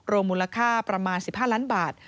มูลค่าประมาณ๑๕ล้านบาท